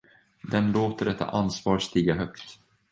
Den låter detta ansvar stiga högt.